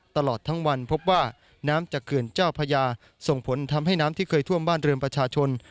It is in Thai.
ตลอดทั้งวันพบว่าน้ำจากเขื่อนเจ้าพญาส่งผลทำให้น้ำที่เคยท่วมบ้านเรือนประชาชน